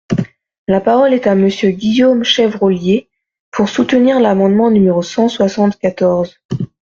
La parole est à Monsieur Guillaume Chevrollier, pour soutenir l’amendement numéro cent soixante-quatorze.